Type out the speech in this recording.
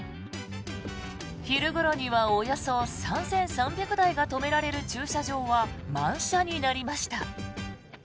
昼ごろにはおよそ３３００台が止められる駐車場は満車になりました。